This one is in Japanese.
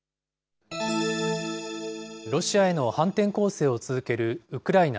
ロシアへの反転攻勢を続けるウクライナ。